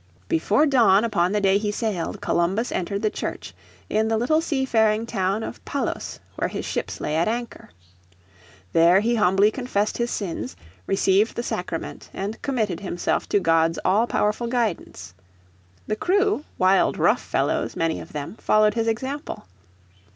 Before dawn upon the day he sailed Columbus entered the church, in the little sea faring town of Palos where his ships lay at anchor. There he humbly confessed his sins, received the Sacrament, and committed himself to God's all powerful guidance. The crew, wild, rough fellows, many of them, followed his example.